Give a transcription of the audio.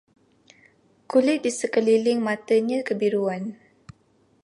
Kulit di sekeliling matanya kebiruan